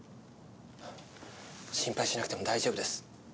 心配しなくても大丈夫です。